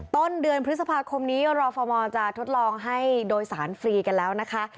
ต้นเดือนพฤษภาคมนี้รอฟมจะทดลองให้โดยสารฟรีกันแล้วนะคะ